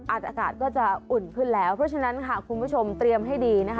อากาศก็จะอุ่นขึ้นแล้วเพราะฉะนั้นค่ะคุณผู้ชมเตรียมให้ดีนะคะ